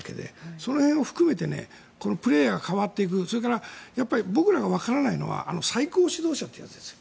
その辺を含めてこのプレーヤーが代わっていくそれから僕らがわからないのは最高指導者ってやつです。